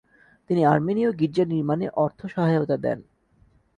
তিনি আর্মেনীয় গির্জা নির্মাণে অর্থসহায়তা দেন।